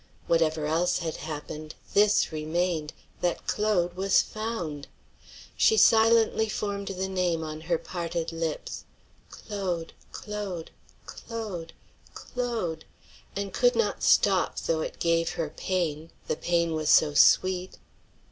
Whatever else had happened, this remained, that Claude was found. She silently formed the name on her parted lips "Claude! Claude! Claude! Claude!" and could not stop though it gave her pain, the pain was so sweet.